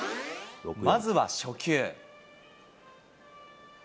まずは初球。